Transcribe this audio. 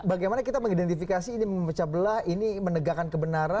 bagaimana kita mengidentifikasi ini memecah belah ini menegakkan kebenaran